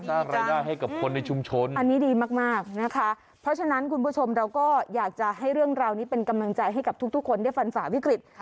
สร้างรายได้ให้กับคนในชุมชนอันนี้ดีมากนะคะเพราะฉะนั้นคุณผู้ชมเราก็อยากจะให้เรื่องราวนี้เป็นกำลังใจให้กับทุกคนได้ฟันฝ่าวิกฤต